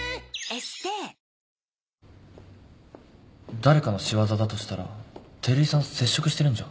誰かの仕業だとしたら照井さん接触してるんじゃ